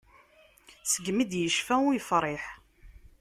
Segmi d-yecfa ur yefriḥ.